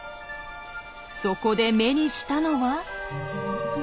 そこで目にしたのは。